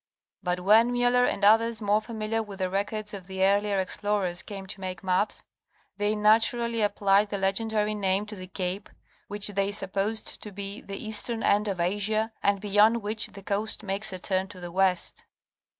But when Miller and others more familiar with the records of the earlier explorers came to make maps, they naturally applied the legendary name to the cape which they supposed to be the eastern end of Asia, and beyond which the coast makes a turn to the west.